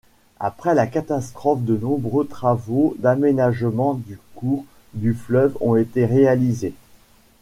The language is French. Après la catastrophe, de nombreux travaux d'aménagement du cours du fleuve ont été réalisés.